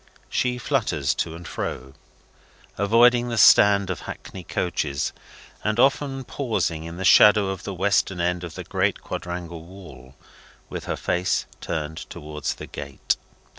She flutters to and fro, avoiding the stand of hackney coaches, and often pausing in the shadow of the western end of the great quadrangle wall, with her face turned towards the gate.